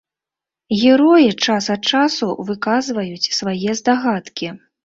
Героі час ад часу выказваюць свае здагадкі.